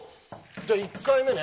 じゃあ１回目ね。